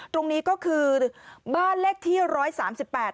ตรงนี้ก็คือบ้านเลขที่ร้อยสามสิบแปด